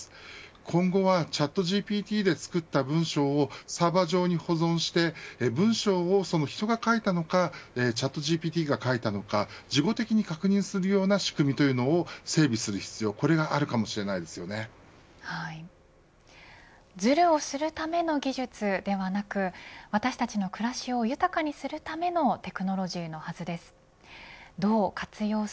今後はチャットＧＰＴで作った文書をサーバー上に保存して文章を人が書いたのかチャットＧＰＴが書いたのか事後的に確認するような仕組みというのを整備する必要がずるをするための技術ではなく私たちの暮らしを豊かにするためのテクノロジーのはずです。